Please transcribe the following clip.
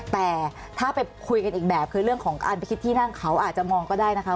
แต่ถ้าไปคุยกันอีกแบบคือเรื่องของการไปคิดที่นั่งเขาอาจจะมองก็ได้นะคะ